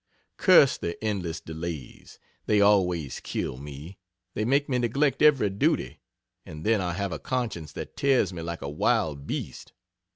Curse the endless delays! They always kill me they make me neglect every duty and then I have a conscience that tears me like a wild beast.